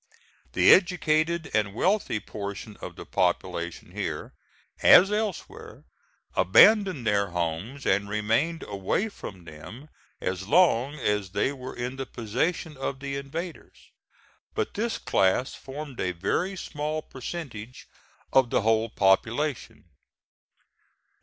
The educated and wealthy portion of the population here, as elsewhere, abandoned their homes and remained away from them as long as they were in the possession of the invaders; but this class formed a very small percentage of the whole population.